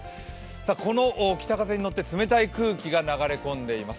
この北風に乗って冷たい空気が流れ込んでいます。